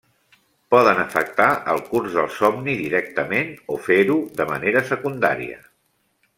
Poden afectar el curs del somni directament, o fer-ho de manera secundària.